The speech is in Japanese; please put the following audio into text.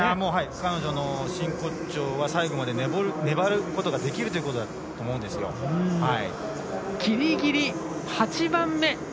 彼女の真骨頂は最後まで粘ることができるところだとぎりぎり８番目。